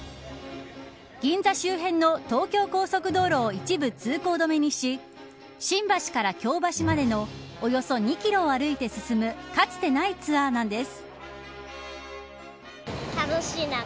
銀座周辺の東京高速道路を一部通行止めにし新橋から京橋までのおよそ２キロを歩いて進むかつてないツアーなんです。